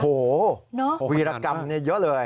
โอ้โหวีรกรรมเยอะเลย